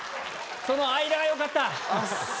その間が良かった。